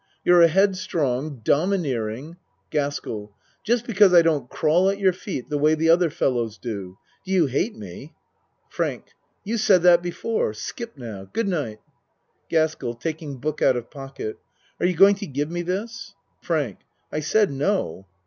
You're a head strong, domineering GASKELL Just because I don't crawl at your feet the way the other fellows do. Do you hate me ? FRANK You said that before. Skip now. Good night. GASKELL (Taking book out of pocket.) Are you going to give me this? FRANK I said no.